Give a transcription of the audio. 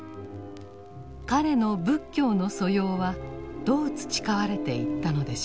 彼の仏教の素養はどう培われていったのでしょうか。